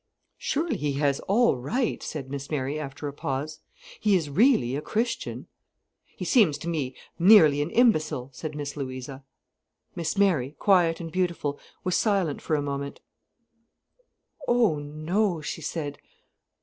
"Surely he had all right," said Miss Mary after a pause. "He is really a Christian." "He seems to me nearly an imbecile," said Miss Louisa. Miss Mary, quiet and beautiful, was silent for a moment: "Oh, no," she said.